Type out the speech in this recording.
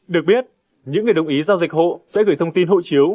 được biết những người đồng ý giao dịch hộ sẽ gửi thông tin hộ chiếu